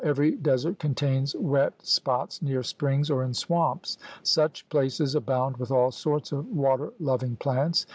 Every desert contains wet spots near springs or in swamps. Such places abound with all sorts of water loving plants.